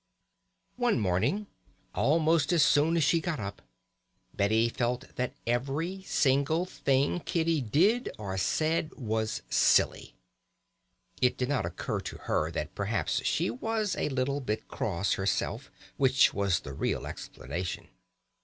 One morning, almost as soon as she got up, Betty felt that every single thing Kitty did or said was silly. It did not occur to her that perhaps she was a little bit cross herself, which was the real explanation.